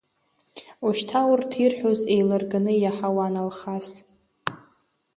Ушьҭа урҭ ирҳәоз еилырганы иаҳауан Алхас.